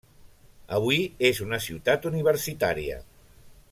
Avui és una ciutat universitària.